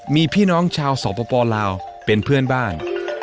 มีพี่น้องชาวสอบประปอล์ลาวเป็นเพื่อนบ้าน